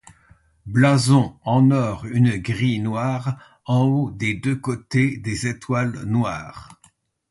Blason: En or une grille noire, en haut, des deux côtés, des étoiles noires.